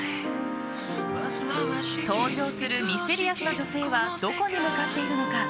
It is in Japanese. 登場するミステリアスな女性はどこに向かっているのか？